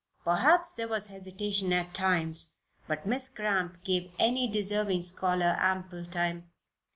Perhaps there was hesitation at times, but Miss Cramp gave any deserving scholar ample time.